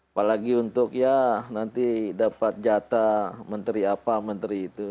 apalagi untuk ya nanti dapat jatah menteri apa menteri itu